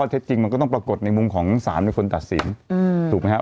แต่ว่าเท็จจริงมันก็ต้องปรากฏในมุมของ๓๐คนดัสินถูกมั้ยครับ